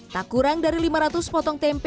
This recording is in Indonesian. tak kurang dari lima ratus potong tempe